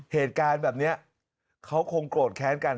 เหตุการณ์แบบนี้เขาคงโกรธแค้นกัน